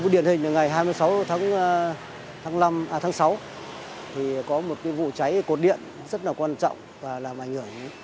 điển hình là ngày hai mươi sáu tháng sáu thì có một vụ cháy cột điện rất là quan trọng và làm ảnh hưởng